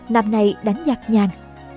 năm nay đánh giặc nhàn